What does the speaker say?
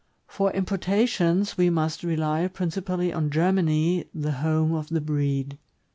For importations we must rely principally on Germany, the home of the breed.